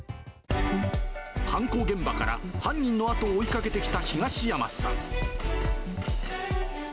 犯行現場から犯人の後を追いかけてきた東山さん。